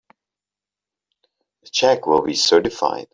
The check will be certified.